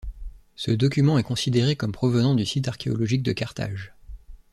Ce document est considéré comme provenant du site archéologique de Carthage.